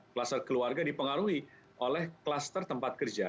kluster keluarga dipengaruhi oleh kluster tempat kerja